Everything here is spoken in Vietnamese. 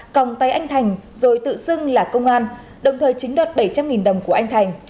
còng tay anh thành rồi tự xưng là công an đồng thời chiếm đoạt bảy trăm linh đồng của anh thành